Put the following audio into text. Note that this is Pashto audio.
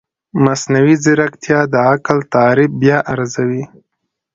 مصنوعي ځیرکتیا د عقل تعریف بیا ارزوي.